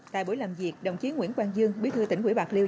tại buổi làm việc đồng chiến nguyễn quang dương bí thư tỉnh quỷ bạc liêu